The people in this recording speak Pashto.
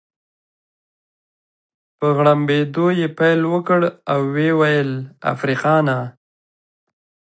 په غړمبېدو يې پیل وکړ او ويې ویل: افریقانا.